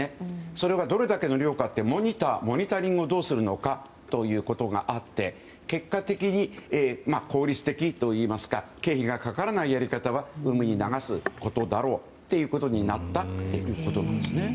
それがどれだけの量かってモニタリングをどうするかってことがあって結果的に、効率的といいますか経費がかからないやり方は海に流すことだろうってことになったということです。